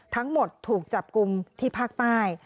ทั้งหมดถูกจับกลุ่มที่ภาคใต้